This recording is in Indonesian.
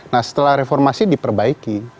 nah setelah reformasi diperbaiki